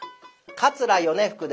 桂米福です。